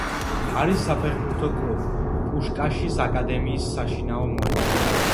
არის საფეხბურთო კლუბ „პუშკაშის აკადემიის“ საშინაო მოედანი.